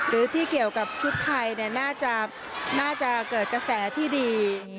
หรือที่เกี่ยวกับชุดไทยน่าจะเกิดกระแสที่ดี